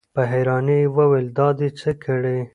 په حيرانۍ يې وويل: دا دې څه کړي؟